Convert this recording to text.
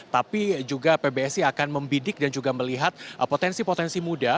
tapi juga pbsi akan membidik dan juga melihat potensi potensi muda